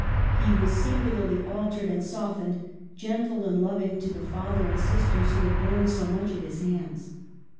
He was singularly altered and soft ened, gentle and loving to the father and sisters who had borne so much at his hands.